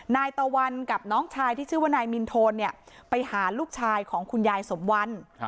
นายตะวันกับน้องชายที่ชื่อว่านายมินโทนเนี่ยไปหาลูกชายของคุณยายสมวัน